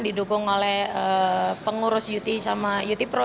didukung oleh pengurus ut sama ut pro